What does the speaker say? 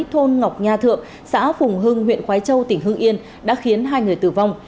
thôn ngọc nha thượng xã phùng hưng huyện khói châu tỉnh hưng yên đã khiến hai người tử vong